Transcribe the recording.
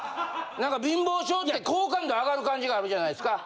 なんか貧乏性って好感度上がる感じがあるじゃないですか。